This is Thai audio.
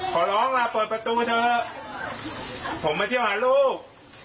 ขอร้องล่ะเปิดประตูเถอะผมมาเที่ยวหาลูก